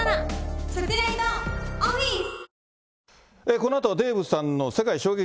このあとデーブさんの世界衝撃